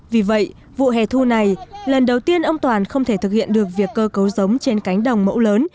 vì vậy vụ hẻ thu này lần đầu tiên ông toàn không thể thực hiện được việc cơ cấu giống trên cánh đồng mẫu lớn